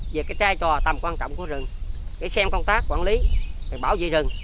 về cái giai trò tầm quan trọng của rừng để xem công tác quản lý bảo vệ rừng